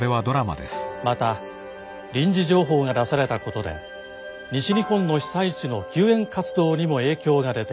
また臨時情報が出されたことで西日本の被災地の救援活動にも影響が出ています。